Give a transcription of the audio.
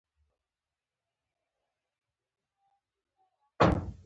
چي ملا شکرانه واخلي تأثیر ولاړ سي